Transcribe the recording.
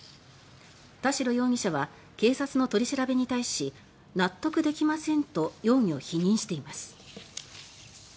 田代容疑者は警察の取り調べに対し納得できませんと容疑を否認しています。